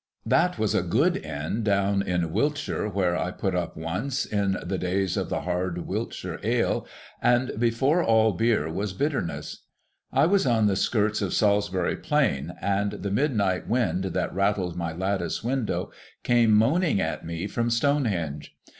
That was a good Inn down in ^Vilts]■lire where I put up once, in the days of the hard ^^'iltshire ale, and before all beer was bitter ness. It was on the skirts of Salisbury Plain, and the midnight wind that rattled my lattice window Came moaning at me from Stonehenge.